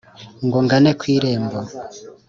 Ngo ngane ku irembo